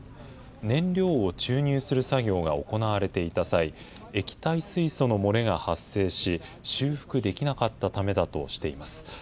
燃料を注入する作業が行われていた際、液体水素の漏れが発生し、修復できなかったためだとしています。